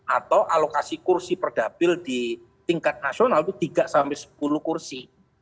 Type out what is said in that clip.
atau alokasi kursi perdapil di tingkat nasional itu tiga sampai sepuluh kursi